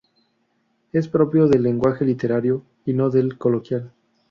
Es propio del lenguaje literario y no del coloquial.